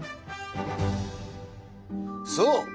そう！